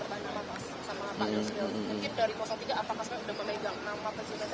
yang mereka memang bisa bagus kan juga diperbanyak sama pak yusuf